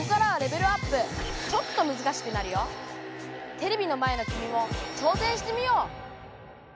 テレビの前のきみも挑戦してみよう！